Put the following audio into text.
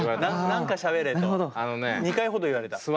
何かしゃべれと２回ほど言われた。